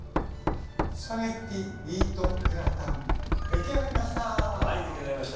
スパゲッティミートグラタン出来上がりました！